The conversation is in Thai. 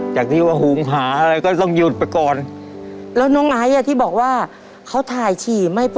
จากที่ว่าหุ่งผ้าอะไร